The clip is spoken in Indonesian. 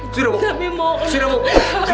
sudah ibu sudah ibu